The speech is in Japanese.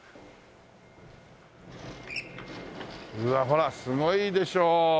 うわほらすごいでしょ。